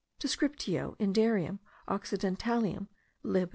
Descriptio Indiarum Occidentalium, lib.